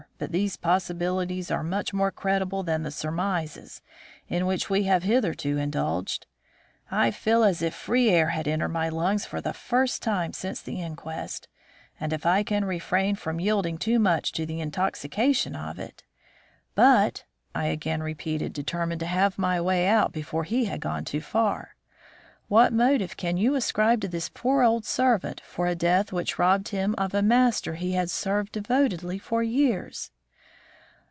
But these possibilities are much more credible than the surmises in which we have hitherto indulged. I feel as if free air had entered my lungs for the first time since the inquest; and if I can refrain from yielding too much to the intoxication of it " "But," I again repeated, determined to have my say out before he had gone too far, "what motive can you ascribe to this poor old servant for a death which robbed him of a master he had served devotedly for years?"